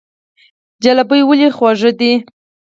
جلبي ولې خوږه ده؟